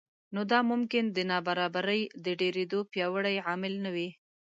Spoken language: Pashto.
نو دا ممکن د نابرابرۍ د ډېرېدو پیاوړی عامل نه وي